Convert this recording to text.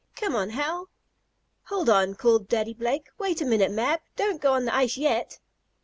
"Come on, Hal!" "Hold on!" called Daddy Blake. "Wait a minute, Mab! Don't go on the ice yet!"